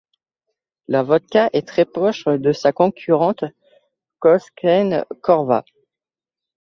La vodka est très proche de sa concurrente Koskenkorva.